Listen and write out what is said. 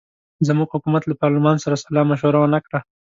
زموږ حکومت له پارلمان سره سلامشوره ونه کړه.